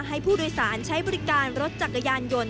ให้ผู้โดยสารใช้บริการรถจักรยานยนต์